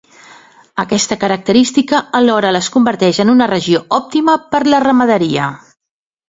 Aquesta característica, alhora les converteix en una regió òptima per a la ramaderia.